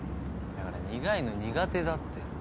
だから苦いの苦手だって。